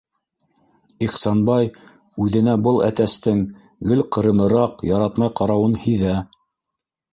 Ихсанбай үҙенә был әтәстең гел ҡырыныраҡ, яратмай ҡарауын һиҙә.